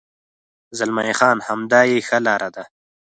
زلمی خان: همدا یې ښه لار ده.